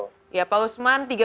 selamat pagi pak usman